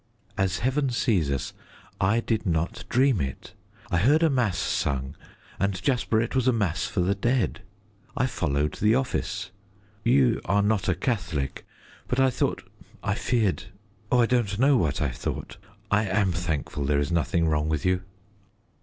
"As Heaven sees us, I did not dream it. I heard a mass sung, and, Jasper, it was a mass for the dead. I followed the office. You are not a Catholic, but I thought I feared oh, I don't know what I thought. I am thankful there is nothing wrong with you."